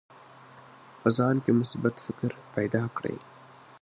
په ځان کې مثبت فکر پیدا کړئ.